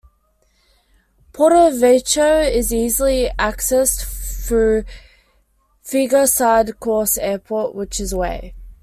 Porto-Vecchio is easily accessed through FigariSud Corse Airport, which is away.